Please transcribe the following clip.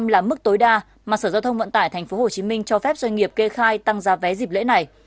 một mươi là mức tối đa mà sở giao thông vận tải tp hcm cho phép doanh nghiệp kê khai tăng giá vé dịp lễ này